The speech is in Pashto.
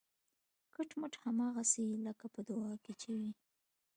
کټ مټ هماغسې لکه په دعا کې چې وي